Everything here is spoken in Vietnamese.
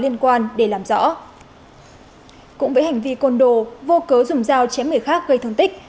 liên quan để làm rõ cũng với hành vi côn đồ vô cớ dùng dao chém người khác gây thương tích